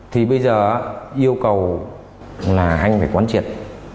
thì bây giờ yêu cầu là anh phải quán triệt